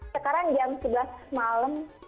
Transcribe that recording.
sekarang jam sebelas malam